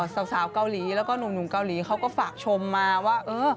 สาวเกาหลีแล้วก็หนุ่มเกาหลีเขาก็ฝากชมมาว่า